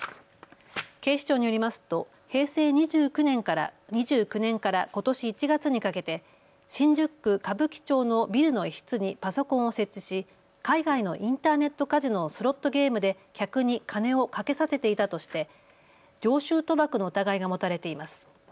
警視庁によりますと平成２９年からことし１月にかけて新宿区歌舞伎町のビルの一室にパソコンを設置し海外のインターネットカジノのスロットゲームで客に金をかけさせていたとして常習賭博の疑いが持たれています。